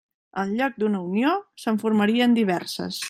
En lloc d'una Unió, se'n formarien diverses.